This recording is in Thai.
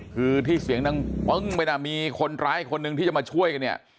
คือที่เสียงดังปึ้งไปนะมีคนร้ายคนหนึ่งที่จะมาช่วยกันเนี่ย